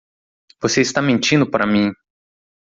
Você está mentindo para mim.